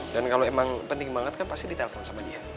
dan kalo emang penting banget kan pasti di telfon sama dia